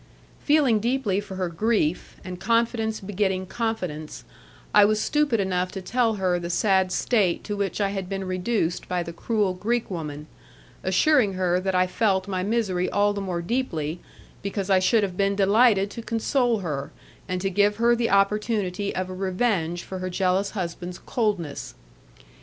Feeling deeply for her grief, and confidence begetting confidence, I was stupid enough to tell her the sad state to which I had been reduced by the cruel Greek woman, assuring her that I felt my misery all the more deeply, because I should have been delighted to console her, and to give her the opportunity of a revenge for her jealous husband's coldness.